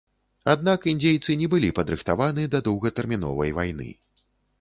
Аднак індзейцы не былі падрыхтаваны да доўгатэрміновай вайны.